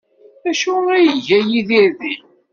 D acu ay iga Yidir din?